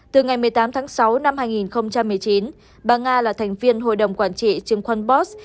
từ ngày một mươi tám tháng sáu năm hai nghìn một mươi chín bà nga là thành viên hội đồng quản trị chứng khoán boss